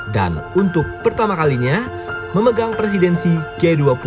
dan untuk pertama kalinya memegang presidensi g dua puluh dua ribu dua puluh dua